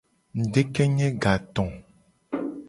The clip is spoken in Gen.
Ngudekenye gato.